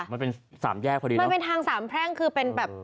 มันเป็น๓แยกพอดีเนอะมันเป็นทาง๓แพร่งคือเป็นแบบ